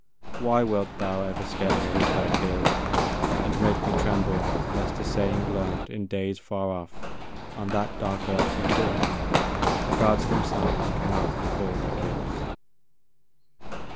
Why wilt thou ever scare me with thy tears, And make me tremble lest a saying learnt, In days far off, on that dark earth, be true? 'The Gods themselves cannot recall their gifts.'